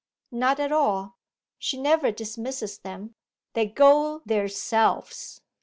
'Not at all she never dismisses them they go theirselves.